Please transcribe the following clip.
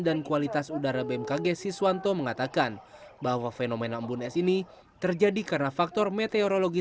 dan kualitas udara bmkg siswanto mengatakan bahwa fenomena embun es ini terjadi karena faktor meteorologi